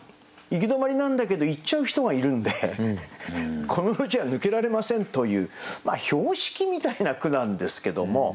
行き止まりなんだけど行っちゃう人がいるんでこの路地は抜けられませんという標識みたいな句なんですけども。